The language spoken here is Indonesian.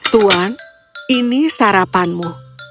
tuan ini sarapanmu